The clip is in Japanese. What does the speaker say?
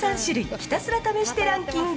ひたすら試してランキング。